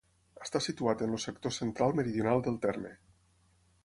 Està situat en el sector central-meridional del terme.